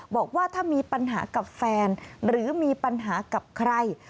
บอกว่าถ้ามีปัญหากับแฟนหรือมีปัญหากับใคร